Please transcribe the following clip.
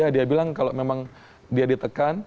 dia bilang kalau memang dia ditekan